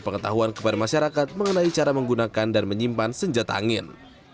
pengetahuan kepada masyarakat mengenai cara menggunakan dan menyimpan senjata angin